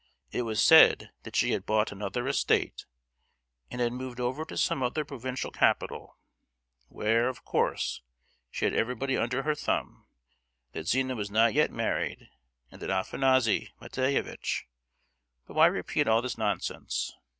It was said that she had bought another estate, and had moved over to some other provincial capital; where, of course, she had everybody under her thumb; that Zina was not yet married; and that Afanassy Matveyevitch—but why repeat all this nonsense?